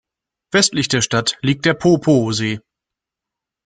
Westlich der Stadt liegt der Poopó-See.